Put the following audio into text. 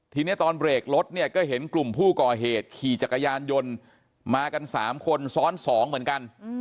ทีนี้ตอนเบรกรถเนี่ยก็เห็นกลุ่มผู้ก่อเหตุขี่จักรยานยนต์มากัน๓คนซ้อน๒เหมือนกัน